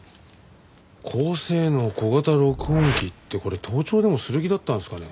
高性能小型録音機。ってこれ盗聴でもする気だったんですかね？